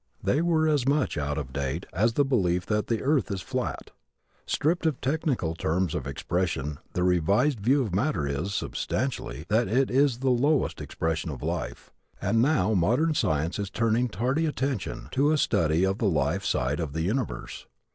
They were as much out of date as the belief that the earth is flat. Stripped of technical terms of expression the revised view of matter is, substantially, that it is the lowest expression of life; and now modern science is turning tardy attention to a study of the life side of the universe.